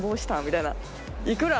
「いくら？」。